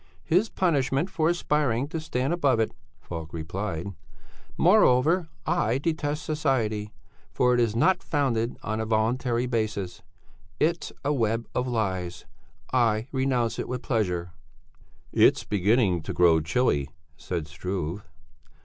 "His punishment for aspiring to stand above it. Moreover, I detest society, for it is not founded on a voluntary basis. It's a web of lies I renounce it with pleasure." "It's beginning to grow chilly," said Struve.